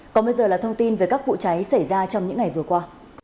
còn bây giờ là thông tin về các vụ cháy xảy ra trong những ngày vừa qua